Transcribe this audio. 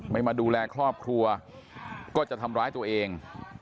มาดูแลครอบครัวก็จะทำร้ายตัวเอง